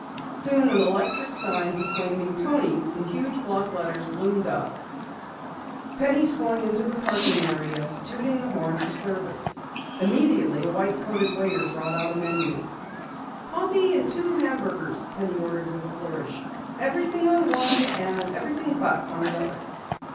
Soon, an electric sign proclaiming "Toni's" in huge block letters loomed up. Penny swung into the parking area, tooting the horn for service. Immediately a white coated waiter brought out a menu. "Coffee and two hamburgers," Penny ordered with a flourish. "Everything on one, and everything but, on the other."